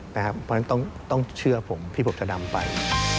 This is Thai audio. เพราะฉะนั้นต้องเชื่อผมที่ผมจะดำไป